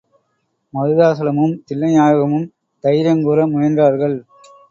மருதாசலமும் தில்லைநாயகமும் தைரியங் கூற முயன்றார்கள்.